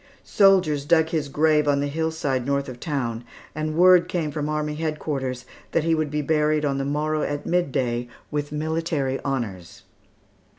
Soldiers dug his grave on the hillside north of town, and word came from army headquarters that he would be buried on the morrow at midday, with military honors.